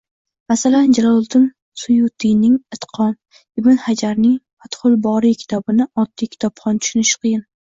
Masalan, Jaloliddin Suyutiyning “Itqon”, Ibn Hajarning “Fathul boriy” kitobini oddiy kitobxon tushunishi qiyin.